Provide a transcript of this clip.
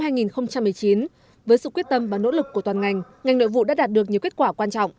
năm hai nghìn một mươi chín với sự quyết tâm và nỗ lực của toàn ngành ngành nội vụ đã đạt được nhiều kết quả quan trọng